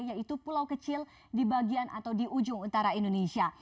yaitu pulau kecil di bagian atau di ujung utara indonesia